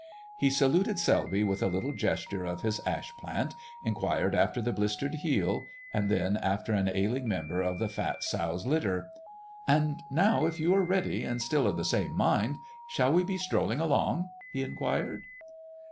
He saluted Selby with a little gesture of his ash plant, inquired after the blistered heel, and then after an ailing member of the fat sow's litter. "And now, if you are ready and still of the same mind, shall we be strolling along?" he inquired.